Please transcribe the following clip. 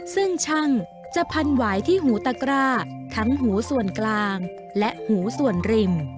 ซึ่งช่างจะพันหวายที่หูตะกร้าทั้งหูส่วนกลางและหูส่วนริม